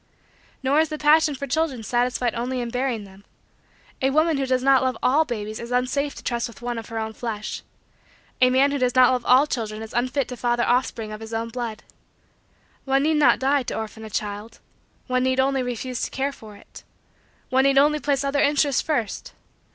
Nor is the passion for children satisfied only in bearing them. A woman who does not love all babies is unsafe to trust with one of her own flesh. A man who does not love all children is unfit to father offspring of his own blood. One need not die to orphan a child. One need only refuse to care for it. One need only place other interests first.